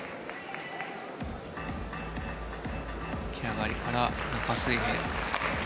蹴上がりから中水平。